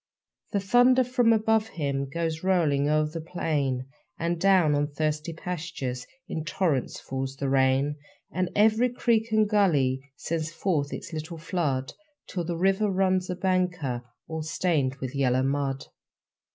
The thunder from above him Goes rolling o'er the plain; And down on thirsty pastures In torrents falls the rain. And every creek and gully Sends forth its little flood, Till the river runs a banker, All stained with yellow mud.